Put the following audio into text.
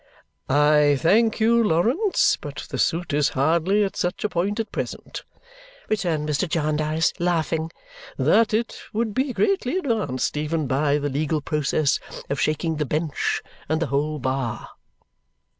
"I thank you, Lawrence, but the suit is hardly at such a point at present," returned Mr. Jarndyce, laughing, "that it would be greatly advanced even by the legal process of shaking the bench and the whole bar."